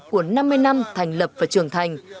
của năm mươi năm thành lập và trưởng thành